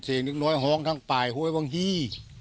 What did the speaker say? หนึ่งน้อยห้องทั้งป่ายโฮ้ยวังฮี่